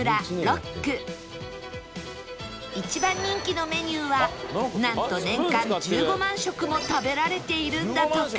一番人気のメニューはなんと年間１５万食も食べられているんだとか